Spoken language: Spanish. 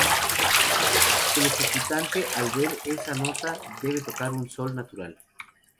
El ejecutante al ver esa nota debe tocar un "sol" natural.